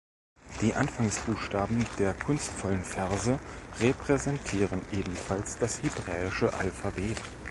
Die Anfangsbuchstaben der kunstvollen Verse repräsentieren ebenfalls das hebräische Alphabet.